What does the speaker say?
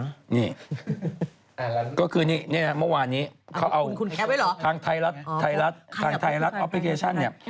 นี่ก็คือนี่เมื่อวานนี้เขาเอาทางไทยรัฐไทยรัฐทางไทยรัฐออปพลิเคชันเนี่ย